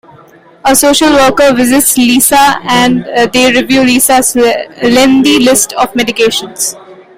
A social worker visits Liza and they review Liza's lengthy list of medications.